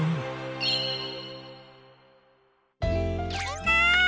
みんな！